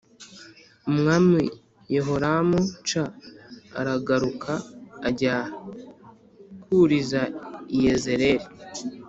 Umwami Yehoramu c aragaruka ajya kw uriza i Yezereli